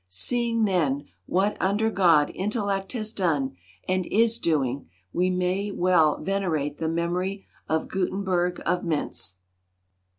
Seeing, then, what, under God, intellect has done and is doing, we may well venerate the memory of Gutenberg of Mentz."